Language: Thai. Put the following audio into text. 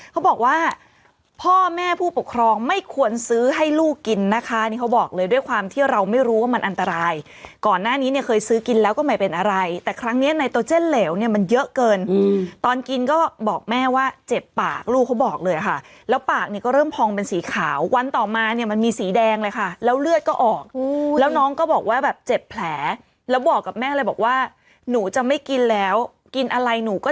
เขาบอกว่าพ่อแม่ผู้ปกครองไม่ควรซื้อให้ลูกกินนะคะนี่เขาบอกเลยด้วยความที่เราไม่รู้ว่ามันอันตรายก่อนหน้านี้เนี่ยเคยซื้อกินแล้วก็ไม่เป็นอะไรแต่ครั้งนี้ในตัวเจ่นเหลวเนี่ยมันเยอะเกินตอนกินก็บอกแม่ว่าเจ็บปากลูกเขาบอกเลยค่ะแล้วปากเนี่ยก็เริ่มพองเป็นสีขาววันต่อมาเนี่ยมันมีสีแดงเลยค่ะแล้วเลือดก็